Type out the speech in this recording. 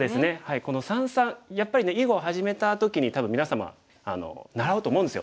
この三々やっぱりね囲碁を始めた時に多分皆様習うと思うんですよ